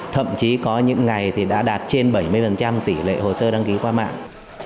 thậm chí có những ngày thì đã đạt trên bảy mươi tỷ lệ hồ sơ đăng ký qua mạng